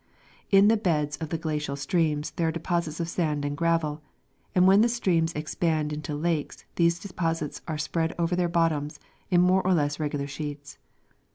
In the beds of the glacial streams there are deposits pf sand and gravel, and when the streams expand into lakes these de posits are spread over their bottoms in more or less regular sheets.